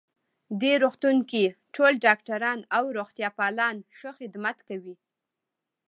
دې روغتون کې ټول ډاکټران او روغتیا پالان ښه خدمت کوی